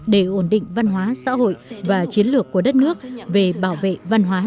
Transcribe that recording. để ổn định văn hóa xã hội và chiến lược của đất nước về bảo vệ văn hóa